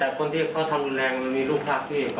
แต่คนที่เขาทำรุนแรงมันมีรูปภาพพี่